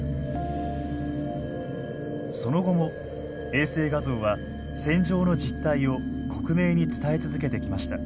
その後も衛星画像は戦場の実態を克明に伝え続けてきました。